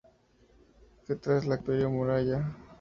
C tras la caída del Imperio Maurya.